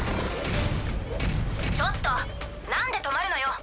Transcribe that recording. ちょっとなんで止まるのよ？